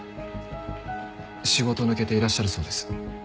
仕事抜けていらっしゃるそうです。